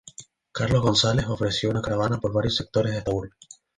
Carlos González ofreció una caravana por varios sectores de esta urbe.